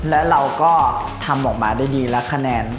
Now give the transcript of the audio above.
และเราก็ทำออกมาได้ดีและคะแนน